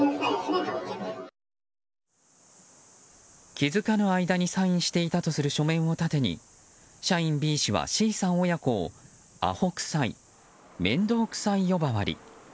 気づかぬ間にサインしていたとする書面を盾に社員Ｂ氏はＣさん親子をあほくさい、面倒くさい呼ばわり。